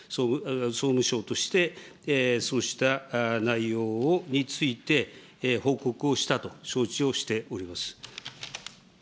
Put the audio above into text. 総務省として、そうした内容について報告をしたと承知をしております。